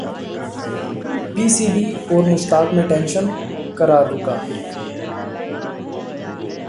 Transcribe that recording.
PCB और मुश्ताक में tension, करार रुका